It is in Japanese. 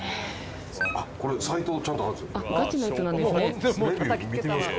これサイトちゃんとあるんすよ。